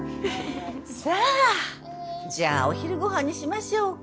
さあじゃあお昼ご飯にしましょうか？